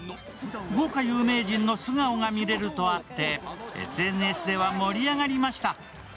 豪華有名人の素顔が見れるとあって、ＳＮＳでは盛り上がりました。